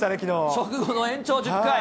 直後の延長１０回。